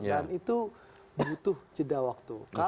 dan itu butuh jeda waktu